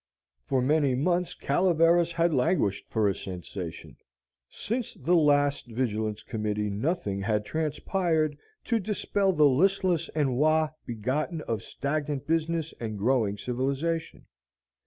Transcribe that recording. For many months Calaveras had languished for a sensation; since the last vigilance committee nothing had transpired to dispel the listless ennui begotten of stagnant business and growing civilization.